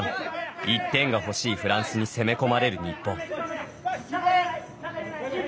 １点が欲しいフランスに攻め込まれる日本。